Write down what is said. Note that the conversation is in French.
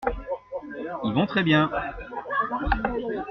Ils vont très bien.